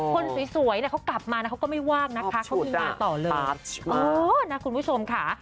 คนสวยสวยเนี้ยเขากลับมานะเขาก็ไม่วากนะคะเข้าที่นี่เนี้ยต่อเลยอ่อนะคุณผู้ชมค่ะ